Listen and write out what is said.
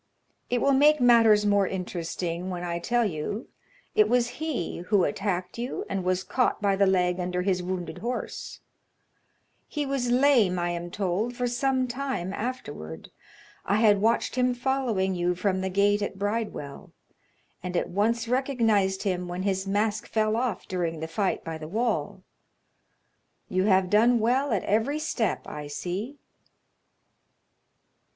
It will make matters more interesting when I tell you it was he who attacked you and was caught by the leg under his wounded horse; he was lame, I am told, for some time afterward. I had watched him following you from the gate at Bridewell, and at once recognized him when his mask fell off during the fight by the wall. You have done well at every step, I see."